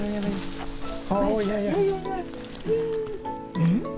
うん？